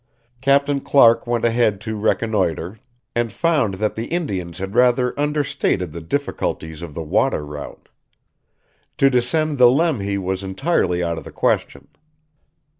Captain Clark went ahead to reconnoitre, and found that the Indians had rather understated the difficulties of the water route. To descend the Lemhi was entirely out of the question.